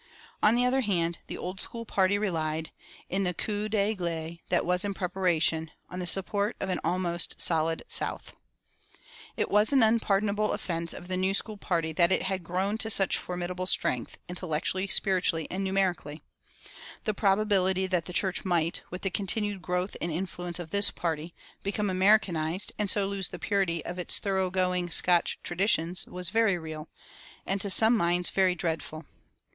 On the other hand, the Old School party relied, in the coup d'église that was in preparation, on the support of "an almost solid South."[296:1] It was an unpardonable offense of the New School party that it had grown to such formidable strength, intellectually, spiritually, and numerically. The probability that the church might, with the continued growth and influence of this party, become Americanized and so lose the purity of its thoroughgoing Scotch traditions was very real, and to some minds very dreadful.